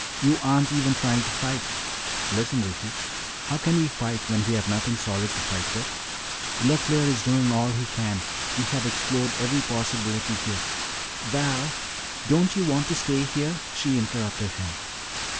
You aren't even trying to fight!" "Listen, Ricky, how can we fight when we have nothing solid to fight with? LeFleur is doing all he can, we have explored every possibility here " "Val, don't you want to stay here?" she interrupted him.